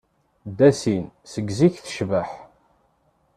Dassin seg zik tecbeḥ.